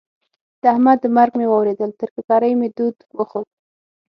د احمد د مرګ مې واورېدل؛ تر ککرۍ مې دود وخوت.